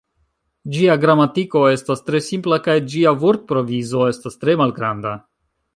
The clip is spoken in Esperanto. Ĝia gramatiko estas tre simpla kaj ĝia vortprovizo estas tre malgranda.